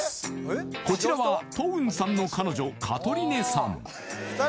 こちらはトウンさんの彼女カトリネさん